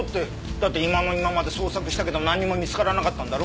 だって今の今まで捜索したけど何も見つからなかったんだろ？